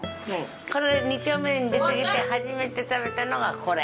これ二丁目に出てきて初めて食べたのがこれ。